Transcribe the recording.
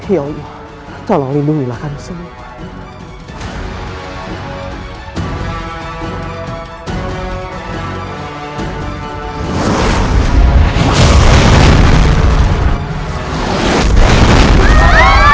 ya tolong lindungilah kami semua